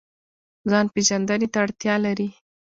ځان پیژندنې ته اړتیا لري